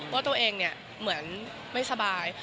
ว่าตัวเองเหมือนไม่สบาย